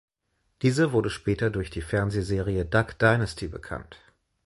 Dieser wurde später durch die Fernsehserie Duck Dynasty bekannt.